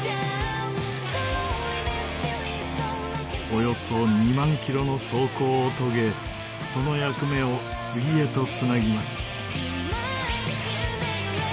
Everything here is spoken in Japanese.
およそ２万キロの走行を遂げその役目を次へと繋ぎます。